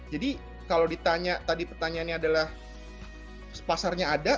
jadi kalau ditanya tadi pertanyaannya adalah pasarnya ada